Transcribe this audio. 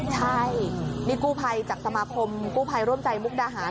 ใช่นี่กู้ภัยจากสมาคมกู้ภัยร่วมใจมุกดาหาร